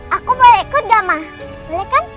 aku boleh ikut dong